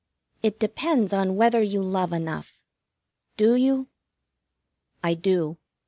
"It depends on whether you love enough. Do you?" "I do.